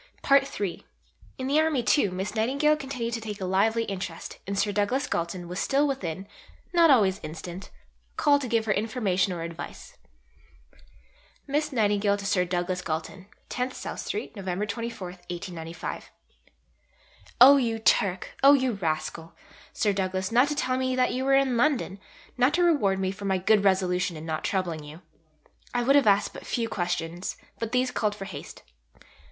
Bibliography A, No. 138. Bibliography A, No. 135. III In the Army, too, Miss Nightingale continued to take a lively interest, and Sir Douglas Galton was still within not always instant call to give her information or advice: (Miss Nightingale to Sir Douglas Galton.) 10 SOUTH STREET, Nov. 24 . Oh you Turk, oh you rascal, Sir Douglas, not to tell me that you were in London, not to reward me for my good resolution in not troubling you. I would have asked but few questions, but these called for haste.